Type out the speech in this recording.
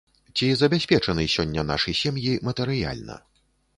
Ці забяспечаны сёння нашы сем'і матэрыяльна?